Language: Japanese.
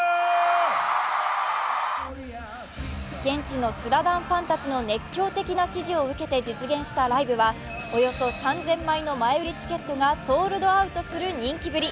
現地のスラダンファンたちの熱狂的支持を受けて実現したライブはおよそ３０００枚の前売りチケットがソールドアウトする人気ぶり。